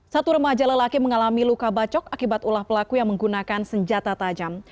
satu remaja lelaki mengalami luka bacok akibat ulah pelaku yang menggunakan senjata tajam